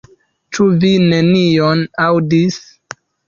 Ĉu vi nenion aŭdis?